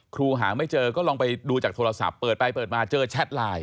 ครูหาไม่เจอก็ลองไปดูจากโทรศัพท์เปิดไปเปิดมาเจอแชทไลน์